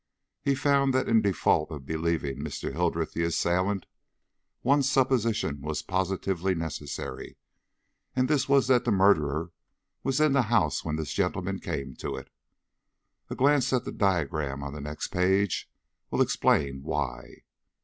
He found that in default of believing Mr. Hildreth the assailant, one supposition was positively necessary, and this was that the murderer was in the house when this gentleman came to it. A glance at the diagram on next page will explain why.